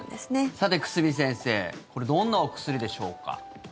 さて、久住先生これ、どんなお薬でしょうか？